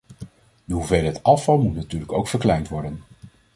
De hoeveelheid afval moet natuurlijk ook verkleind worden.